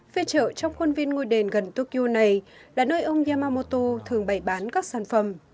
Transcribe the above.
phía chợ trong khuôn viên ngôi đền gần tokyo này là nơi ông yamamoto thường bày bán các sản phẩm